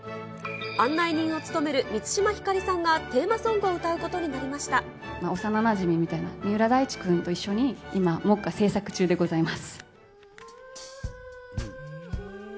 案内人を務める満島ひかりさんがテーマソングを歌うことになりま幼なじみみたいな、三浦大知君と一緒に、今、目下、制作中でございます。